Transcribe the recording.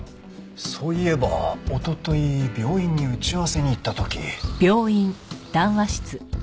そういえばおととい病院に打ち合わせに行った時。